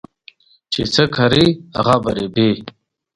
نجلۍ د نیکمرغۍ دعا کوي.